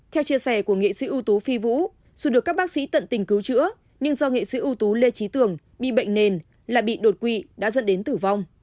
theo chia sẻ của nghệ sĩ ưu tú phi vũ dù được các bác sĩ tận tình cứu chữa nhưng do nghệ sĩ ưu tú lê trí tường bị bệnh nền lại bị đột quỵ đã dẫn đến tử vong